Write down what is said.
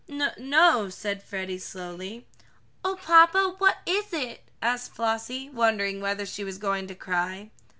"No no," said Freddie slowly. "Oh, papa, what is it?" asked Flossie, wondering whether she was going to cry.